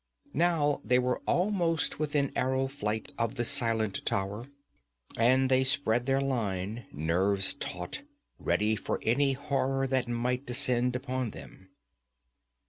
Now they were almost within arrow flight of the silent tower, and they spread their line, nerves taut, ready for any horror that might descend upon them.